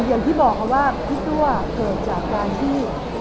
อย่างที่บอกครับว่าพิตุ่อเกิดจากการที่